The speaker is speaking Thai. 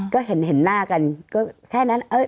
ก็ให้เห็นหน้ากันแค่นั้นอารมณ์ขึ้นมาก็คือจบ